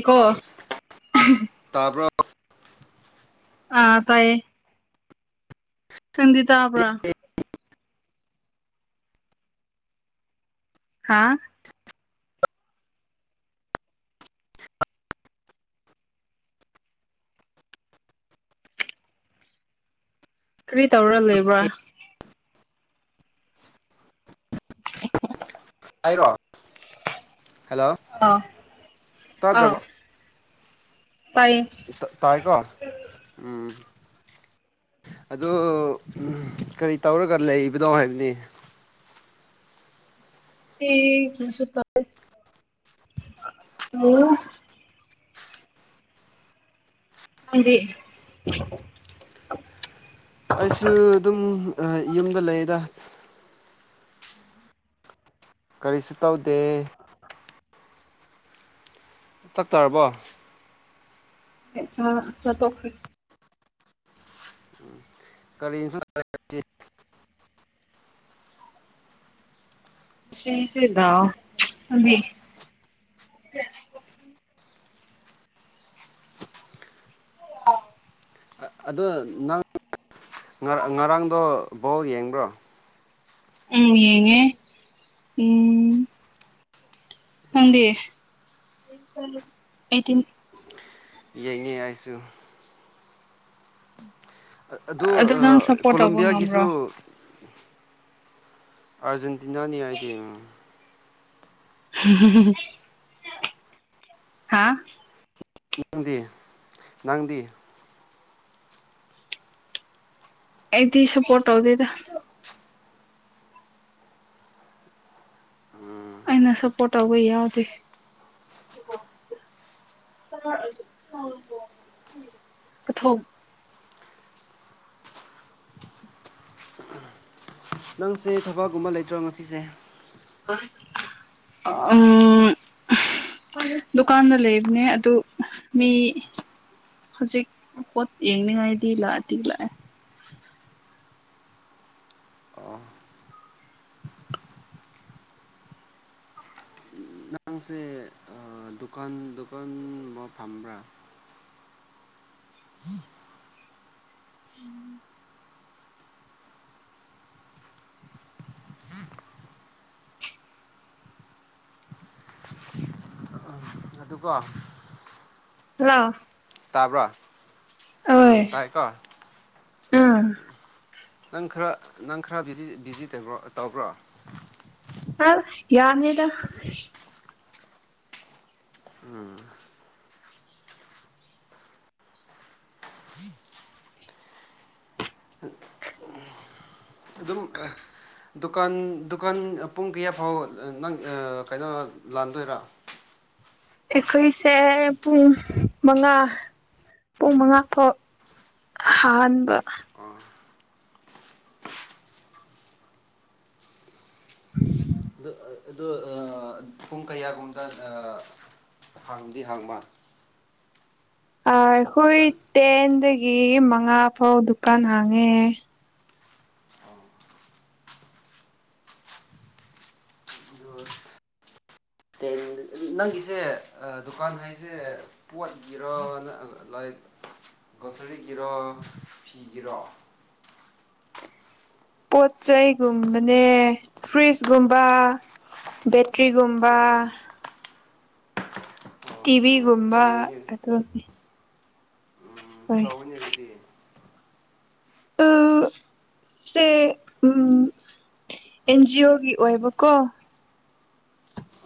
Eco [unintelligible] ꯇꯥꯕ꯭ꯔꫭ ꯑꯥ ꯇꯥꯏꯌꯦ ꯅꯪꯗꯤꯇꯥꯕ꯭ꯔꯥ ꯍꯥꯥ ꯀꯔꯤ ꯇꯧꯔ ꯂꯩꯕ꯭ꯔꯥ ꯑꯥꯏꯔꯣ ꯍꯜꯂꯣ ꯑꯥ ꯇꯥꯠꯗ꯭ꯔꯕꯣ ꯇꯥꯏꯌꯦ ꯇꯥꯏꯀꯣ ꯎꯝ ꯑꯗꯣ ꯀꯔꯤ ꯇꯧꯔꯒ ꯂꯩꯕꯅꯣ ꯍꯥꯏꯕꯅꯤ [unintelligible] ꯅꯪꯗꯤ ꯑꯩꯁꯨ ꯑꯗꯨꯝ ꯌꯨꯝꯗ ꯂꯩꯗ ꯀꯔꯤꯁꯨ ꯇꯧꯗꯦ ꯇꯛ ꯇꯥꯔꯕꯣ ꯆꯥꯊꯣꯛꯈ꯭ꯔꯦ ꯎꯝ ꯀꯔꯤ [unintelligible] [unintelligible] [inaudible] [inaudible] ꯑꯗꯣ ꯅꯪ ꯉ ꯉꯔꯥꯡꯗꯣ ꯕꯣꯜ ꯌꯦꯡꯕ꯭ꯔꯣ ꯎꯝ ꯌꯦꯡꯉꯦ ꯎꯝ ꯅꯪꯗꯤ ꯑꯩꯗꯤ ꯌꯦꯡꯉꯦ ꯑꯩꯁꯨ ꯑꯗꯨ ꯑ ꯅꯪ ꯁꯞꯄꯣꯔꯠ ꯇꯧꯕ ꯉꯝꯕ꯭ꯔꯣ ꯀꯣꯂꯣꯝꯕꯤꯌꯥꯒꯤꯁꯨ ꯑꯔꯖꯦꯟꯇꯤꯅꯥꯅꯤ ꯑꯥꯏꯗꯤꯦꯝ ꯍꯥꯥ ꯅꯪꯗꯤ ꯅꯪꯗꯤ ꯑꯩꯗꯤ ꯁꯄꯣꯔꯠ ꯇꯧꯗꯦꯗ ꯑꯩꯅ ꯁꯞꯄꯣꯔꯠ ꯇꯧꯕ ꯌꯥꯎꯗꯦ ꯀꯊꯣꯛ ꯅꯪꯁꯦ ꯊꯕꯛꯀꯨꯝꯕ ꯂꯩꯇ꯭ꯔꯣ ꯉꯁꯤꯁꯦ ꯎꯝ ꯗꯨꯀꯥꯟꯗ ꯂꯩꯕꯅꯦ ꯑꯗꯨ ꯃꯤ ꯍꯧꯖꯤꯛ ꯄꯣꯠ ꯌꯦꯡꯅꯤꯡꯉꯥꯏꯗꯤ ꯂꯥꯛꯑꯗꯤ ꯂꯥꯛꯑꯦ ꯑꯣ ꯑꯉꯥꯡꯁꯦ ꯗꯨꯀꯥꯟ ꯗꯨꯀꯥꯟ ꯑꯃ ꯐꯝꯕ꯭ꯔꯥ [inaudible] ꯎꯝ ꯑꯗꯨꯀꯣ ꯍꯜꯂꯣ ꯇꯥꯕ꯭ꯔꯣ ꯎꯝ ꯇꯥꯏꯀꯣ ꯑꯝ ꯅꯪ ꯈꯔ ꯅꯪ ꯈꯔ ꯕꯤ ꯕꯤꯖꯤ ꯇꯣ ꯇꯧꯕ꯭ꯔꯣ ꯑ ꯌꯥꯔꯅꯦꯗ ꯎꯝ [inaudible] ꯑꯗꯨꯝ ꯑ ꯗꯨꯀꯥꯟ ꯗꯨꯀꯥꯟ ꯄꯨꯡ ꯀꯌꯥ ꯐꯥꯎ ꯅꯪ ꯀꯩꯅꯣ ꯂꯥꯟꯗꯣꯏꯔꯥ ꯑꯩꯈꯣꯏꯁꯦ ꯄꯨꯡ ꯃꯉꯥ ꯄꯨꯡ ꯃꯉꯥ ꯐꯥꯎ ꯍꯍꯟꯕ ꯑꯥ ꯎ ꯑꯗꯨ ꯏ ꯑ ꯄꯨꯡ ꯀꯌꯥꯒꯨꯝꯗ ꯍꯥꯡꯗꯤ ꯍꯥꯡꯕ ꯑꯩꯈꯣꯏ ꯗꯨꯀꯥꯟ ꯇꯦꯟꯗꯒꯤ ꯃꯉꯥ ꯐꯥꯎ ꯗꯨꯀꯥꯟ ꯍꯥꯡꯉꯦ ꯇꯜ ꯅꯪꯒꯤꯁꯦ ꯗꯨꯀꯥꯟ ꯍꯥꯏꯁꯦ ꯄꯣꯠꯒꯤꯔ ꯂꯥꯏꯛ ꯒꯣꯁꯔꯤꯒꯤꯔꯣ ꯐꯤꯒꯤꯔꯣ ꯄꯣꯠ ꯆꯩꯩꯒꯨꯝꯕꯅꯦ ꯐ꯭ꯔꯤꯖꯀꯨꯝꯕ ꯕꯦꯇ꯭ꯔꯤꯒꯨꯝꯕ ꯑꯣ ꯑꯣ ꯍꯣ ꯍꯣ ꯇꯤꯚꯤꯒꯨꯝꯕ ꯆꯥꯎꯕꯅꯤ ꯑꯗꯨ ꯍꯣꯏ ꯦꯜ ꯁꯦ ꯎꯝ ꯑꯦꯟꯖꯤ ꯑꯣꯒꯤ ꯑꯣꯏꯕꯀꯣ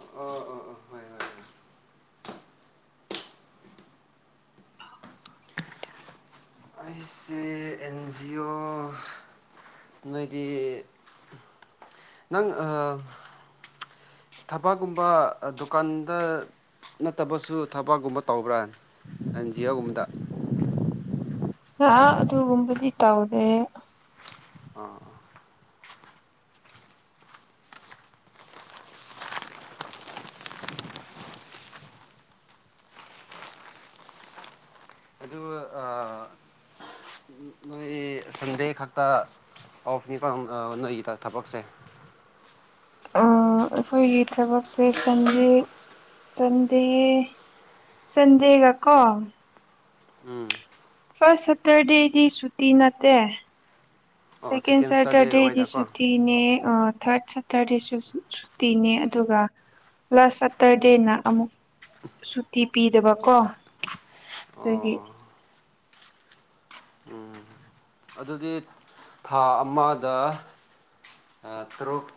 ꯑꯣ ꯑꯣ ꯑꯣ ꯍꯣꯏ ꯍꯣꯏ ꯍꯣꯏ ꯑꯩꯁꯦ ꯑꯦꯟ ꯖꯤ ꯑꯣ ꯅꯣꯏꯒꯤ ꯅꯪ ꯊꯕꯛꯀꯨꯝꯕ ꯗꯨꯀꯥꯟꯗ ꯅꯠꯇꯕꯁꯨ ꯊꯕꯛꯒꯨꯝꯕ ꯇꯧꯕ꯭ꯔꯥ ꯑꯦꯟ ꯖꯤ ꯑꯣꯒꯨꯝꯕꯗ ꯑ ꯑꯗꯨꯒꯨꯝꯕꯗꯤ ꯏ ꯇꯥꯎꯗꯦ ꯑꯣꯥ ꯑꯗꯨ ꯅꯣꯏ ꯁꯟꯗꯦ ꯈꯛꯇ ꯑꯣꯐꯅꯤꯀ ꯅꯣꯏꯒꯤꯗ ꯊꯕꯛꯁꯦ ꯑꯩꯈꯣꯏꯒꯤ ꯊꯕꯛꯁꯦ ꯁꯟꯗꯦ ꯁꯟꯗꯦ ꯁꯗꯦꯒ ꯀ ꯎꯝ ꯐꯥꯔꯁ ꯁꯦꯇꯔꯗꯦꯗꯤ ꯁꯨꯇꯤ ꯅꯠꯇꯦ ꯑꯣ ꯁꯦꯀ ꯁꯦꯀꯦꯟ ꯁꯇꯔꯗꯦ ꯁꯦꯇꯔꯗꯦꯗꯤ ꯑꯣꯏꯅꯀꯣ ꯑꯣ ꯁꯤ ꯅꯦ ꯊꯥꯔꯠ ꯁꯇꯔꯗꯦꯁꯨ ꯁꯨꯇꯤꯅꯦ ꯑꯗꯨꯒ ꯂꯥꯁ ꯁꯠꯇꯔꯗꯦꯅ ꯑꯃꯨꯛ ꯁꯨꯇꯤ ꯄꯤꯗꯕꯀꯣ ꯗꯒꯤ ꯑꯣ ꯎꯝ ꯑꯗꯨꯗꯤ ꯊꯥ ꯑꯃꯗ ꯇꯔꯨꯛ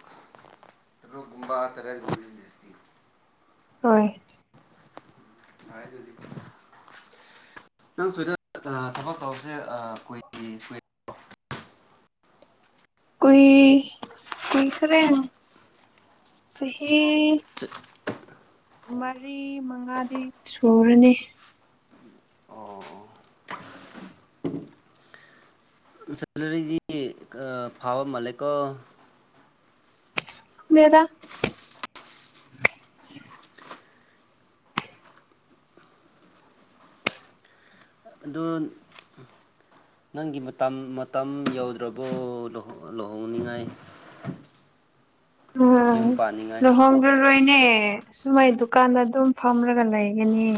ꯑꯗꯨꯨꯒꯨꯝꯕꯥ 'unintelligible' ꯍꯣꯢ ꯍꯥꯢꯗꯨꯗꯤ ꯅꯪ ꯁ꯭ꯋꯥꯢꯗ ꯑ ꯊꯕꯛ ꯇꯧꯕꯁꯦ ꯑ ꯀꯨꯢ ꯑꯩꯣꯏ ꯀ ꯈꯔꯦꯅ ꯁꯤ ꯍ ꯃꯔꯤ ꯃꯉꯥꯗꯤ ꯁꯨꯔꯅꯤ ꯑꯣ ꯁꯦꯂꯔꯤꯗꯤ ꯑꯥ ꯐꯥꯕ ꯃꯥꯂꯦꯀꯣ ꯃꯦꯗꯥ ꯑꯗꯨ ꯅꯪꯒꯤ ꯃꯇꯥꯝ ꯃꯇꯝ ꯌꯧꯗ꯭ꯔꯕꯣ ꯂꯨꯍꯣ ꯂꯨꯍꯣꯡꯅꯤꯡꯉꯥꯢ꯫ ꯑ ꯌꯨꯝ ꯄꯥꯅꯤꯡꯉꯥꯏ ꯂꯨꯍꯣꯡ ꯔꯔꯣꯢꯅꯦ ꯁꯨꯃꯥꯢ ꯗꯨꯀꯥꯟꯗ ꯑꯗꯨꯝ ꯐꯝꯔꯒ ꯂꯩꯒꯅꯦ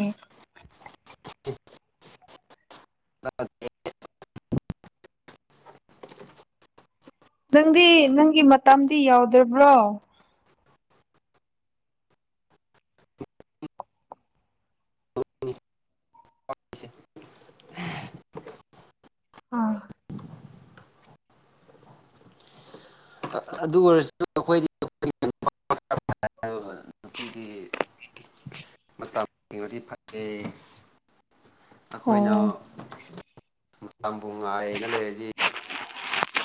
ꯅꯪꯗꯤ ꯅꯪꯒꯤ ꯃꯇꯝꯗꯤ ꯌꯥꯎꯗ꯭ꯔꯕ꯭ꯔꯣ ꯑꯥ ꯑꯗꯨ ꯑꯣꯢꯔꯁꯨ ꯑꯩꯈꯣꯏꯗꯤ ꯅꯨꯄꯤꯗꯤ ꯃꯇꯝꯅꯗꯤ ꯐꯩ ꯑꯩꯈꯣꯏꯅ ꯑꯣ ꯃꯇꯝꯕꯨ ꯉꯥꯏꯅ ꯂꯩꯔꯗꯤ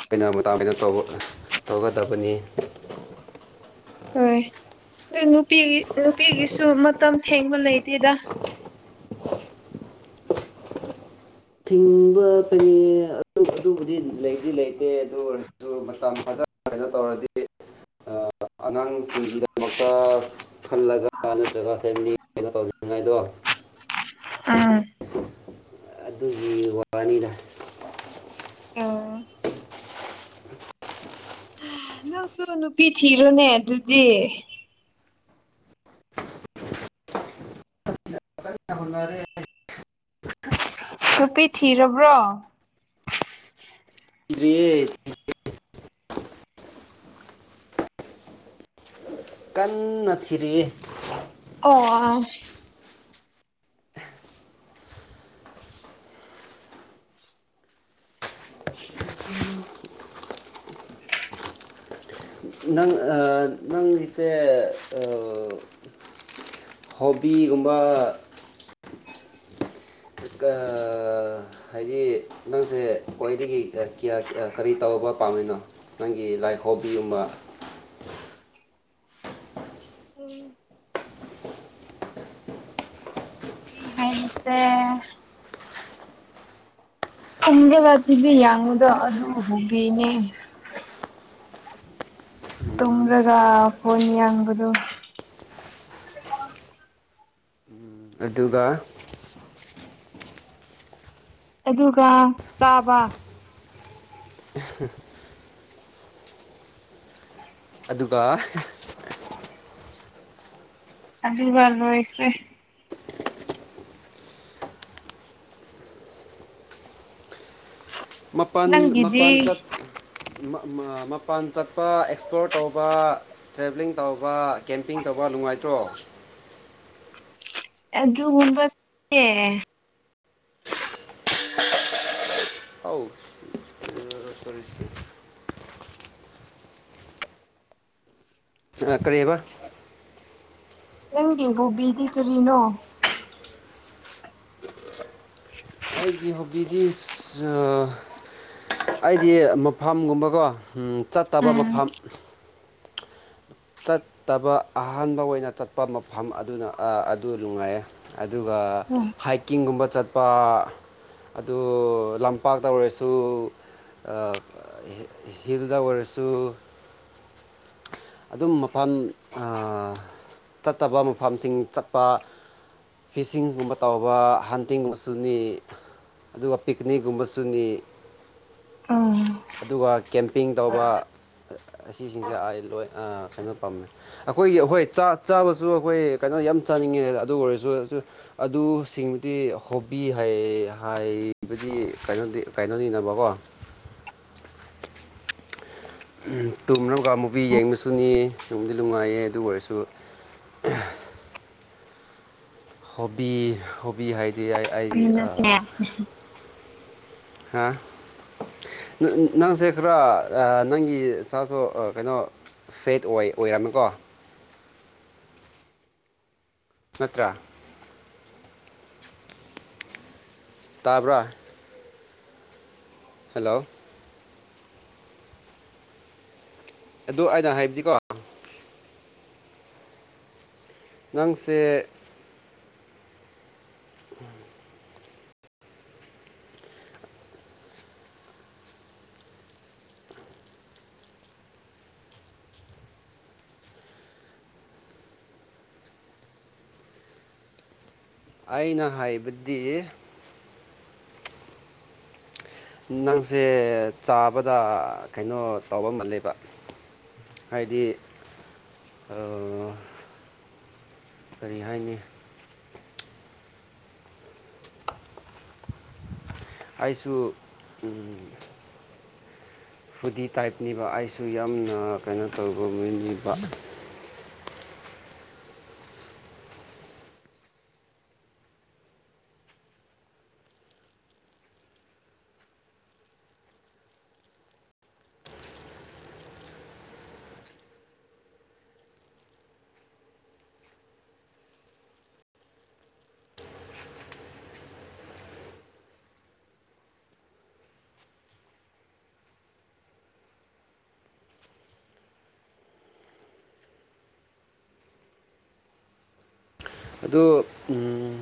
ꯀꯩꯅ ꯃꯇꯥꯝ ꯀꯩꯅ ꯇꯧꯕ ꯇꯧꯒꯗꯕꯅꯤ ꯍꯣꯢ ꯗꯣ ꯅꯨꯄꯤꯒꯤ ꯅꯨꯄꯤꯒꯤꯁꯨ ꯃꯇꯝ ꯊꯦꯡꯕ ꯂꯩꯇꯦꯗ ꯊꯤꯡꯕ ꯐꯩꯌꯦ ꯑꯗꯨ ꯑꯗꯨꯕꯨꯗꯤ ꯂꯩꯗꯤ ꯂꯩꯇꯦ ꯑꯗꯨ ꯑꯣꯏꯔ ꯁꯨ ꯃꯇꯝ ꯐꯖꯥ ꯐꯖꯥ ꯇꯧꯔꯗꯤ ꯑꯉꯥꯡꯁꯤꯡꯒꯤꯗꯃꯛꯇ ꯈꯜꯂꯒ ꯅꯠꯇ꯭ꯔꯒ ꯐꯦꯃ꯭ꯂꯤ ꯀꯩꯅꯣ ꯇꯧꯕꯤꯅꯤꯡꯉꯥꯢꯗꯣ ꯑꯥ ꯑꯗꯨꯒꯤ ꯋꯥꯅꯤꯗ ꯑꯣ [unintelligible] ꯅꯪꯁꯨ ꯅꯨꯄꯤ ꯊꯤꯔꯣꯅꯦ ꯑꯗꯨꯗꯤ ꯀꯥꯟꯅ ꯍꯧꯅꯔꯦ ꯅꯨꯄꯤ ꯊꯤꯔꯕ꯭ꯔꯣ ꯌꯧꯗꯔ꯭ꯤꯌꯦ ꯀꯟꯅ ꯊꯤꯔꯤꯌꯦ ꯑꯣ ꯑꯥ ꯅꯪ ꯑꯥ ꯅꯪ ꯁꯦ ꯑꯥ ꯍꯣꯕꯤꯒꯨꯝꯕ [unintelligible] ꯑꯥ ꯍꯥꯢꯗꯤ ꯅꯪꯖꯦ ꯈ꯭ꯋꯥꯢꯗꯒꯤ ꯑ ꯀꯤꯌꯥ ꯀꯤ ꯑ ꯀꯔꯤ ꯇꯧꯕ ꯄꯥꯝꯔꯤꯅꯣ ꯅꯪꯒꯤ ꯂꯥꯏꯐ ꯍꯣꯕꯤ ꯑꯃ ꯅꯨꯄꯤ ꯍꯥꯏꯕꯁꯦ 'UNINTELLIGIBLE' ꯑꯗꯨ ꯍꯨꯕꯤꯅꯦ ꯇꯨꯝꯔꯒ ꯐꯣꯟ ꯌꯦꯡꯕꯗꯨ ꯑꯗꯨꯒ ꯑꯗꯨꯒ ꯆꯥꯕ [unintelligible] ꯑꯗꯨꯒ ꯑꯗꯨꯒ ꯂꯣꯢꯈꯔ꯭ꯦ ꯃꯄꯥꯟ ꯅꯪꯒꯤꯗꯤ ꯃꯄꯥꯟ ꯆꯠ ꯃ ꯃ ꯃꯄꯥꯟ ꯆꯠꯄ ꯑꯦꯛꯁꯄ꯭ꯂꯣꯔ ꯇꯧꯕ ꯇ꯭ꯔꯦꯚ꯭ꯂꯤꯡ ꯇꯧꯕ ꯀꯦꯝꯄꯤꯡ ꯇꯧꯕ ꯅꯨꯡꯉꯥꯏꯇ꯭ꯔꯣ ꯑꯗꯨꯒꯨꯝ ꯑꯦ ꯑꯥꯎ ꯁꯤꯔ ꯆꯁꯤ ꯀꯔꯤꯕ ꯅꯪꯒꯤ ꯍꯣꯕꯤꯗꯤ ꯀꯔꯤꯅꯣ ꯑꯩꯒꯤ ꯍꯣꯕꯤ ꯏꯁ ꯑꯥ ꯑꯩꯗꯤ ꯃꯐꯝꯒꯨꯝꯕꯀꯣ ꯆꯠꯇꯕ ꯎꯝ ꯃꯐꯝ ꯆꯠꯇꯕ ꯑꯍꯥꯟꯕ ꯑꯣꯏꯅ ꯆꯠꯄ ꯃꯐꯝ ꯑꯗꯨꯅ ꯑꯗꯨ ꯅꯨꯡꯉꯥꯏꯌꯦ ꯑꯗꯨꯒ ꯍꯥꯢꯀꯤꯡꯒꯨꯝꯕ ꯆꯠꯄ ꯑꯗꯨ ꯂꯝꯄꯥꯛꯇ ꯑꯣꯏꯔꯁꯨ ꯍꯤꯜꯗ ꯑꯣꯏꯔꯁꯨ ꯑꯗꯨꯝ ꯃꯄꯟ ꯑ ꯆꯠꯇꯕ ꯃꯐꯝꯁꯤꯡ ꯆꯠꯄ ꯐꯤꯁꯤꯡꯒꯨꯝꯕ ꯇꯧꯕ ꯍꯟꯇꯤꯡꯒꯨꯝꯕꯁꯨꯅꯤ ꯑꯗꯨꯒ ꯄꯤꯛꯀꯅꯤꯛꯒꯨꯝꯕꯁꯨꯅꯤ ꯎꯝ ꯑꯗꯨꯒ ꯀꯦꯝꯄꯤꯡ ꯇꯧꯕ ꯑꯁꯤꯁꯤꯡꯁꯦ ꯑꯩ ꯂꯣꯏ ꯑ ꯀꯩꯅꯣ ꯄꯝꯃꯦ ꯑꯈꯣꯢ ꯑꯈꯣꯢ ꯆꯥꯛ ꯆꯥꯕꯁꯨ ꯑꯈꯣꯢ ꯀꯩꯅꯣ ꯌꯝ ꯆꯥꯅꯤꯡꯉꯦ ꯑꯗꯨ ꯑꯣꯢꯔꯁꯨꯑꯁꯨ ꯑꯗꯨ ꯁꯤꯡꯗꯤ ꯍꯣꯕꯤ ꯍꯥꯢꯌꯦ ꯍꯥꯢꯕꯗꯤ ꯀꯩꯅꯣꯗꯤ ꯀꯩꯅꯣꯅꯤꯅꯕꯀꯣ ꯇꯨꯝꯔꯒ ꯃꯨꯚꯤ ꯌꯦꯡꯕꯁꯨꯅꯤ ꯅꯨꯡꯗꯤ ꯅꯨꯡꯉꯥꯏꯌꯦ ꯑꯗꯨ ꯑꯣꯏꯔꯁꯨ ꯍꯣꯕꯤ ꯍꯣꯕꯤ ꯍꯥꯏꯗꯤ ꯌꯥꯏ ꯑꯩ ꯑꯩꯗꯤ ꯍꯥ ꯅꯪꯁꯦ ꯈꯔ ꯅꯪꯒꯤ ꯁꯥꯁꯨ ꯀꯩꯅꯣ ꯐꯦꯠ ꯑꯣꯏ ꯑꯣꯏꯔꯝꯃꯤꯀꯣ ꯅꯠꯇ꯭ꯔꯥ ꯇꯥꯕ꯭ꯔꯥ ꯍꯜꯂꯣ ꯑꯗꯨ ꯑꯩꯅ ꯍꯥꯢꯕꯗꯤꯀꯣ ꯅꯪꯁꯦ ꯎꯝ ꯑꯩꯅ ꯍꯥꯢꯕꯗꯤ ꯅꯪꯁꯦ ꯆꯥꯕꯗ ꯀꯩꯅꯣ ꯇꯧꯕ ꯃꯥꯜꯂꯦꯕ ꯍꯥꯏꯗꯤ ꯑ ꯀꯔꯤ ꯍꯥꯏꯅꯤ ꯑꯩꯁꯨ ꯎꯝ ꯐꯨꯗꯤ ꯇꯥꯏꯞꯅꯤꯕ ꯑꯩꯁꯨ ꯌꯥꯝꯅ ꯀꯩꯅꯣ ꯇꯧꯕ ꯃꯤꯅꯤꯕ ꯑꯗꯣ ꯎꯝ